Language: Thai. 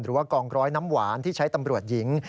หรือว่ากองร้อยน้ำหวานที่ใช้ตำรวจหญิง